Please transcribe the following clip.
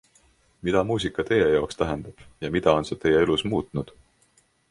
Mida muusika teie jaoks tähendab ja mida on see teie elus muutnud?